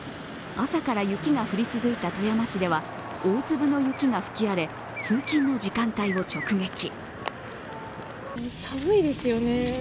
朝から雪が降り続いた富山市では大粒の雪が吹き荒れ、通勤の時間帯を直撃。